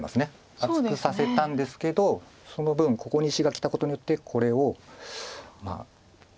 厚くさせたんですけどその分ここに石がきたことによってこれを取りたいということです。